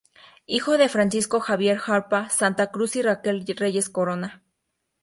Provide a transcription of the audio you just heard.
Hijo de Francisco Javier Jarpa Santa Cruz y Raquel Reyes Corona.